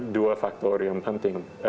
dua faktor yang penting